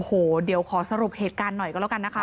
โอ้โหเดี๋ยวขอสรุปเหตุการณ์หน่อยก็แล้วกันนะคะ